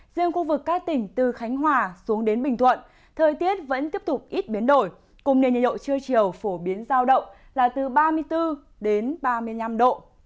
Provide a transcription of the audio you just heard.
riêng khu vực các tỉnh từ khánh hòa xuống đến bình thuận thời tiết vẫn tiếp tục ít biến đổi cùng nền nhiệt độ trưa chiều phổ biến giao động là từ ba mươi bốn đến ba mươi năm độ